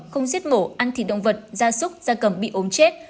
không giết mổ ăn thịt động vật da súc da cầm bị ốm chết